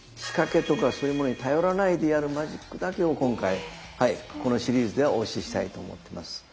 仕掛けとかそういうものに頼らないでやるマジックだけを今回このシリーズではお教えしたいと思ってます。